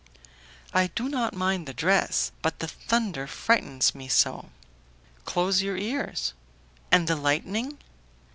"I do not mind the dress; but the thunder frightens me so!" "Close your ears." "And the lightning?"